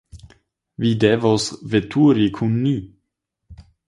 Vi devos veturi kun ni.